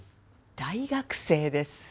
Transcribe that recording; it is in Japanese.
大学生ですよ。